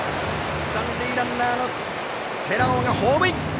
三塁ランナーの寺尾がホームイン。